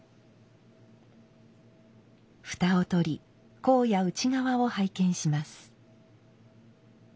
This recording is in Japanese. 蓋を取り甲や内側を拝見します。